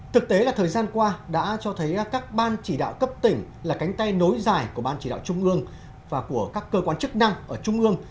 thực tế là thời gian qua đã cho thấy các ban chỉ đạo cấp tỉnh là cánh tay nối dài của ban chỉ đạo trung ương và của các cơ quan chức năng ở trung ương